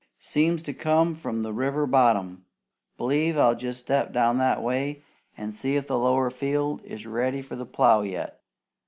Seems to come from the river bottom. B'lieve I'll jest step down that way an' see if the lower field is ready for the plow yet."